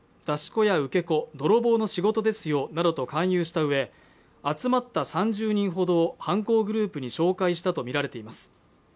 出し子や受け子泥棒の仕事ですよなどと勧誘したうえ集まった３０人ほどを犯行グループに紹介したと見られています